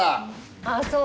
あっそう。